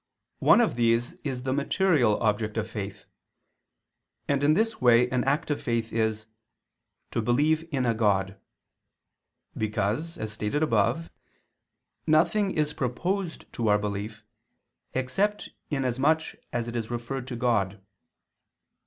One of these is the material object of faith, and in this way an act of faith is "to believe in a God"; because, as stated above (ibid.) nothing is proposed to our belief, except in as much as it is referred to God.